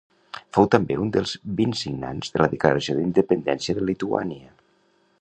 Fou també un dels vint signants de la Declaració d'Independència de Lituània.